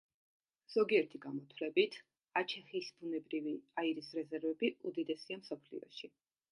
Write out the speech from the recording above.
ზოგიერთი გამოთვლებით, აჩეჰის ბუნებრივი აირის რეზერვები უდიდესია მსოფლიოში.